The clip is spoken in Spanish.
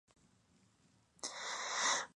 Es poco lo que se sabe de ella.